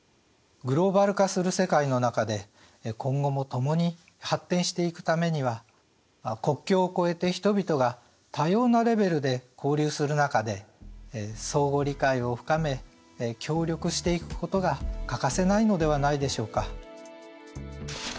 グローバル化する世界の中で今後も共に発展していくためには国境を超えて人々が多様なレベルで交流する中で相互理解を深め協力していくことが欠かせないのではないでしょうか。